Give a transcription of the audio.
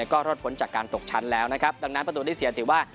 ก็รอดผลจากการตกชั้นแล้วดังนั้นประตูนริเศียร์ถือว่า